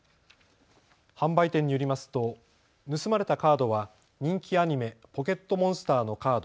販売店によりますと盗まれたカードは人気アニメ、ポケットモンスターのカード